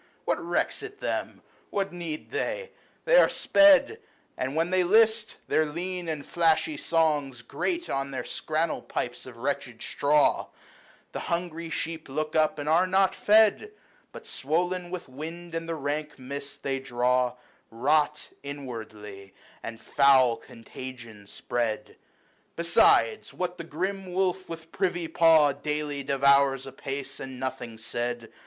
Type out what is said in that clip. What recks it them ? What need they ? They are sped ; And, when they list, their lean and flashy songs Grate on their scrannel pipes of wretched straw ; The hungry sheep look up, and are not fed, But, swoln with wind and the rank mist they draw, Hot inwardly, and foul contagion spread ; Besides what the grim wolf with privy paw Daily devours apace, and nothing said.